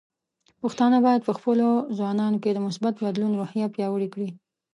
پښتانه بايد په خپلو ځوانانو کې د مثبت بدلون روحیه پیاوړې کړي.